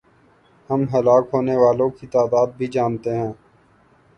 ہم ہلاک ہونے والوں کی تعداد بھی جانتے ہیں۔